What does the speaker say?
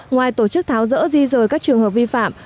ngoài tổ chức tháo rỡ di rời các trường hợp vi phạm